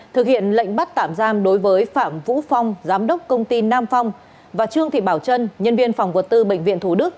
thực hiện lệnh bắt tạm giam đối với phạm vũ phong giám đốc công ty nam phong và trương thị bảo trân nhân viên phòng vật tư bệnh viện thủ đức